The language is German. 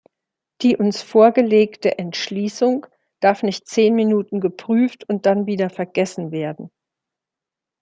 Die uns vorgelegte Entschließung darf nicht zehn Minuten geprüft und dann wieder vergessen werden.